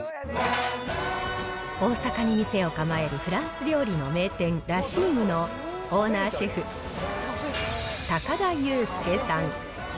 大阪に店を構えるフランス料理の名店、ラ・シームのオーナーシェフ、高田裕介さん。